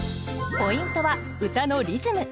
ポイントは歌のリズム。